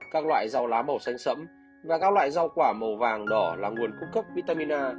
các loại rau lá màu xanh sẫm và các loại rau quả màu vàng đỏ là nguồn cung cấp vitamin a